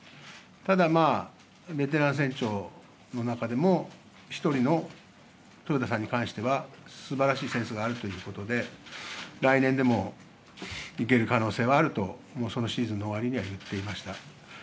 ただベテラン船長の中でも、１人の豊田さんに関しては、すばらしいセンスがあるということで、来年でもいける可能性はあると、もうそのシーズンの終わりにはいっていました。